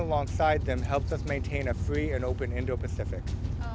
dan membantu kita menjaga keberadaan dan memperbaiki keberadaan dan memperbaiki keberadaan